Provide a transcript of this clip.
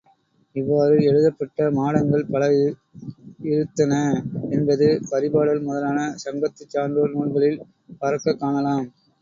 இவ்வாறு எழுதப்பட்ட மாடங்கள் பல இருத்தன என்பது பரிபாடல் முதலான சங்கத்துச் சான்றோர் நூல்களில் பரக்கக் காணலாம்.